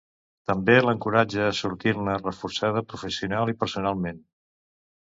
També l'encoratja a sortir-ne reforçada professional i personalment.